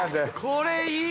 これいい！